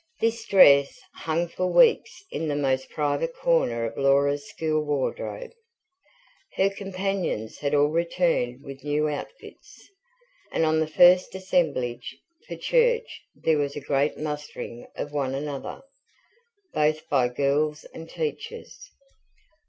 This dress hung for weeks in the most private corner of Laura's school wardrobe. Her companions had all returned with new outfits, and on the first assemblage for church there was a great mustering of one another, both by girls and teachers.